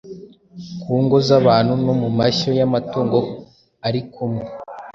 ku ngo z’abantu no mu mashyo y’amatungo ari kumwe”.